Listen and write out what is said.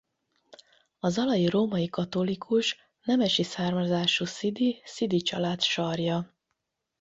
A zalai római katolikus nemesi származású sidi Sidy család sarja.